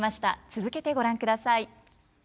続けてご覧ください。